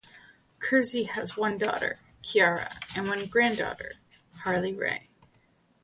Kersey has one daughter, Kiara, and one granddaughter, Harley Rae.